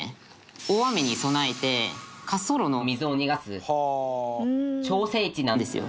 大雨に備えて滑走路の水を逃がす調整池なんですよ。